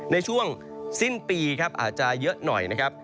ในช่วงสิ้นปีครับอาจจะเยอะหน่อยนะครับ